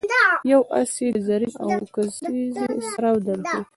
یو آس یې د زین او کیزې سره درکړی.